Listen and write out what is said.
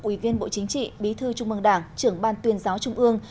ủy viên bộ chính trị bí thư trung mương đảng trưởng ban tuyên giáo trung ương